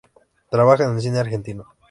Trabaja en el cine argentino.